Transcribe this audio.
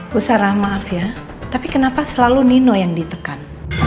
bu sara maaf ya tapi kenapa selalu nino yang ditekan